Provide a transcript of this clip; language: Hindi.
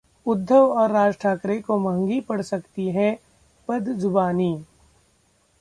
उद्धव और राज ठाकरे को महंगी पड़ सकती है बदजुबानी